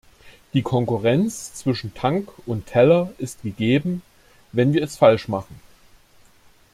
Die Konkurrenz zwischen Tank und Teller ist gegeben, wenn wir es falsch machen.